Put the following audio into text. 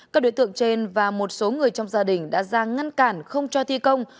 các đối tượng trên và một số người trong gia đình đã ra ngăn cản không cho thi công